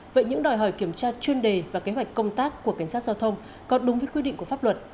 vậy những đòi hỏi kiểm tra chuyên đề và kế hoạch công tác của cảnh sát giao thông có đúng với quy định của pháp luật